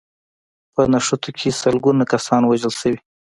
په نښتو کې سلګونه کسان وژل شوي